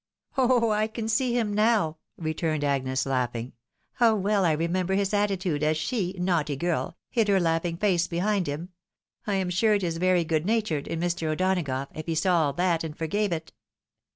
" Oh ! I can see him now !" returned Agnes, laughing. " How well I remember his attitude as she, naughty girl, hid her laughing face behind him !— I am sure it is very good natured in Mr. O'Donagough, if he saw all that and forgave it."